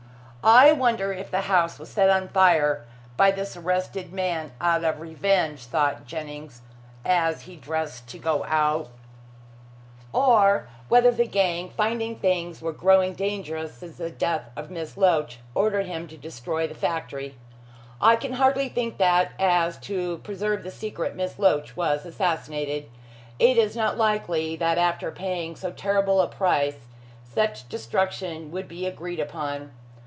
"I wonder if the house was set on fire by this arrested man, out of revenge," thought Jennings, as he dressed to go out, "or whether the gang, finding things were growing dangerous since the death of Miss Loach, ordered him to destroy the factory? I can hardly think that, as to preserve the secret, Miss Loach was assassinated. It is not likely that after paying so terrible a price, such destruction would be agreed upon.